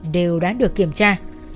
đều đã được kiểm tra